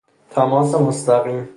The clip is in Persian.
تماس مستقیم